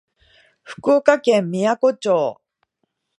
福岡県みやこ町